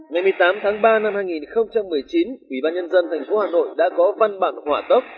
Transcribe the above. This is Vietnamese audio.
ngày một mươi tám tháng ba năm hai nghìn một mươi chín ubnd tp hà nội đã có văn bản hỏa tốc